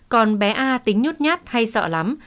còn bé a tính nhút nhát hay sợ lắm